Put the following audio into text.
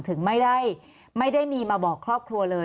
ถึงไม่ได้มีมาบอกครอบครัวเลย